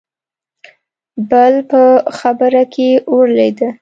بل په خبره کې ورولوېد: